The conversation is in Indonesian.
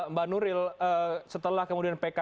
mbak nuril setelah kemudian pk